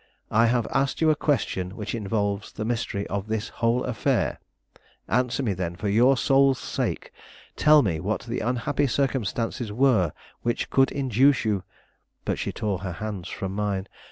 I have asked you a question which involves the mystery of this whole affair; answer me, then, for your soul's sake; tell me, what the unhappy circumstances were which could induce you " But she tore her hands from mine.